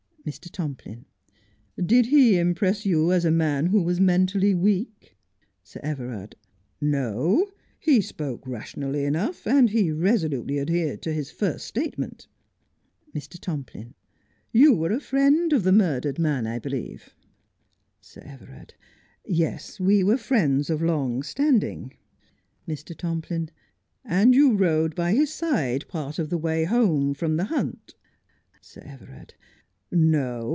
Mr. Tomplin: Did he impress you as a man who was mentally weak 1 Sir Everard : No. He spoke rationally enough, and he resolutely adhered to his first statement. Mr. Tomplin : You were a friend of the murdered man, T believe ? In the Assize Court. 53 Sir Everard : Yes, we were friends of long standing. Mr. Tomplin : And you rode by his side part of the way home from the hunt 1 Sir Everard : No.